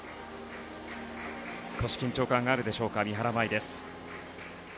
少し緊張感があるでしょうか三原舞依です。